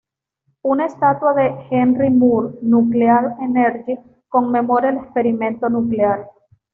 Una estatua de Henry Moore, "Nuclear energy", conmemora el experimento nuclear.